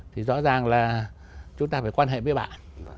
thì rõ ràng là chúng ta phải quan hệ với bạn